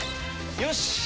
よし！